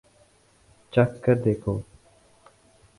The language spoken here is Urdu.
چکھ کر دیکھو